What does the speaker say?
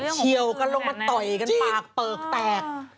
เชี่ยวกันลงมาต่อยกันปากเปลือกแตก